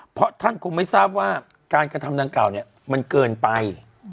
เพราะท่านคงไม่ทราบว่าการกระทำดังกล่าวเนี่ยมันเกินไป